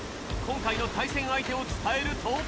今回の対戦相手を伝えると。